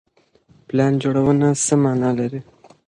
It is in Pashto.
پلان جوړونه څه معنا لري؟